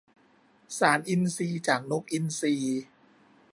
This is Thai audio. สารอินทรีย์จากนกอินทรี